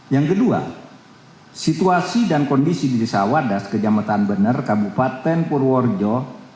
yang kedua situasi dan kondisi di desa wadas kejamatan bener kabupaten purworejo